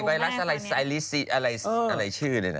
ไวรัสอะไรชื่อเลยนะ